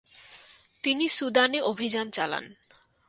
তিনি সুদানে অভিযান চালান।